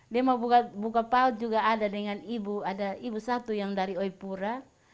dia mau buka paut juga ada dengan ibu ada ibu satu yang dari oipura